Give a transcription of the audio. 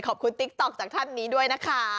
ติ๊กต๊อกจากท่านนี้ด้วยนะคะ